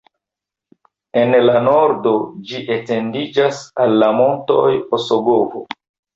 En la nordo ĝi etendiĝas al la montoj Osogovo.